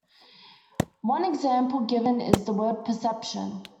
One example given is the word "perception".